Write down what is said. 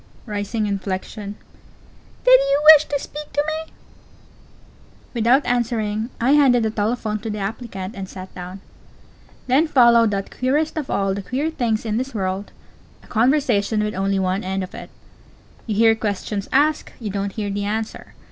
(Rising inflection.) Did you wish to speak to me? Without answering, I handed the telephone to the applicant, and sat down. Then followed that queerest of all the queer things in this world a conversation with only one end to it. You hear questions asked; you don't hear the answer.